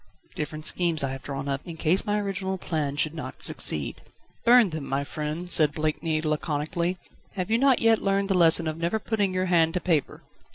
"Different schemes I have drawn up, in case my original plan should not succeed." "Burn them, my friend," said Blakeney laconically. "Have you not yet learned the lesson of never putting your hand to paper?"